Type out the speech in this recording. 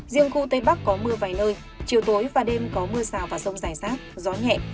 riêng khu tây bắc có mưa vài nơi chiều tối và đêm có mưa xào và rồng dài rác gió nhẹ